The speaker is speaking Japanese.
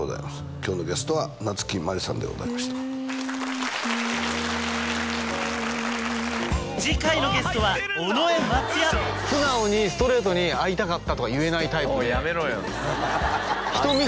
今日のゲストは夏木マリさんでございました次回のゲストは尾上松也素直にストレートに会いたかったとか言えないタイプおいやめろよ